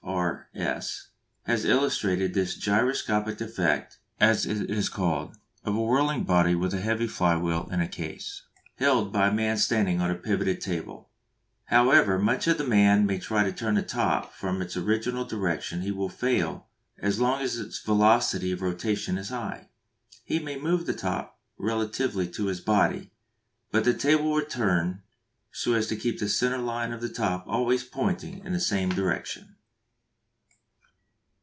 R.S., has illustrated this gyroscopic effect, as it is called, of a whirling body with a heavy flywheel in a case, held by a man standing on a pivoted table. However much the man may try to turn the top from its original direction he will fail as long as its velocity of rotation is high. He may move the top relatively to his body, but the table will turn so as to keep the centre line of the top always pointing in the same direction.